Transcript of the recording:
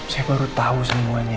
saya baru tahu semuanya